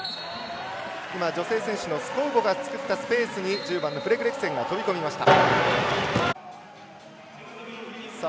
女性選手のスコウボが作ったスペースに１０番のフレズレクセンが飛び込みました。